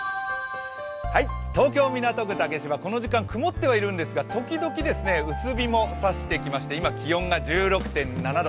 東京・港区竹芝、この時間、曇ってはいるんですが、時々、薄日もさしてきまして今、気温が１６．７度。